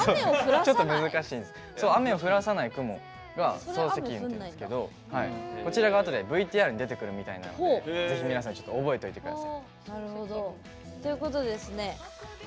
雨を降らさない雲が層積雲っていうんですけどこちらがあとでＶＴＲに出てくるみたいなのでぜひ皆さん覚えておいてください。